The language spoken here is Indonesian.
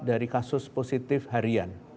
dari kasus positif harian